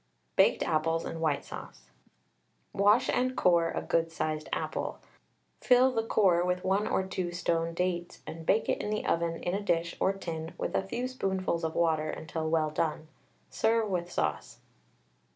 BAKED APPLES AND WHITE SAUCE. Wash and core a good sized apple, fill the core with 1 or 2 stoned dates, and bake it in the oven in a dish or tin with a few spoonfuls of water until well done. Serve with sauce.